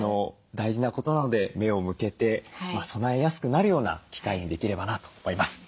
大事なことなので目を向けて備えやすくなるような機会にできればなと思います。